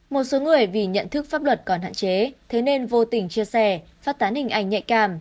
một số người vì nhận thức pháp luật còn hạn chế thế nên vô tình chia sẻ phát tán hình ảnh nhạy cảm